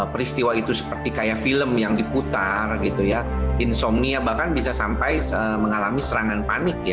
peristiwa seperti film yang diputar insomnia bahkan bisa sampai mengalami serangan panik